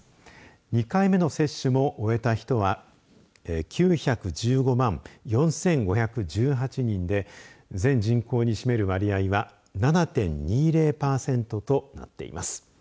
２回目の接種も終えた人は９１５万４５１８人で全人口に占める割合は７．２０パーセントとなっています。